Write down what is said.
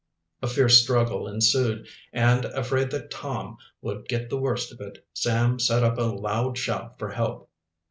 A fierce struggle ensued, and, afraid that Tom would get the worst of it, Sam set up a loud shout for help.